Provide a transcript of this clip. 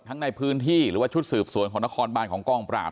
ในพื้นที่หรือว่าชุดสืบสวนของนครบานของกองปราบ